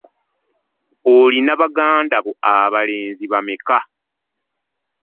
Olina baganda bo abalenzi bameka?